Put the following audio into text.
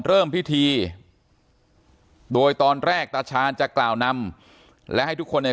เริ่มพิธีโดยตอนแรกตาชาญจะกล่าวนำและให้ทุกคนเนี่ย